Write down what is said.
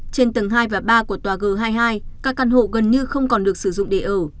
trên tầng hai và ba của tòa g hai mươi hai các căn hộ gần như không còn được sử dụng để ở